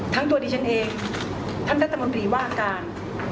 ทั้งตัวดิฉันเองท่านตัธรรมดิวาการ